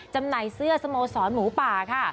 จำหน่ายเสื้อสโมสรหมูป่าค่ะ